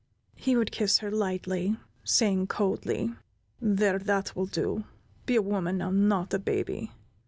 He would kiss her lightly, saying, coldly: "There, that will do; be a woman now, not a baby."